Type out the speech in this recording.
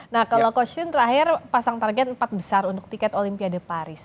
nah kalau coach shin terakhir pasang target empat besar untuk tiket olympia de paris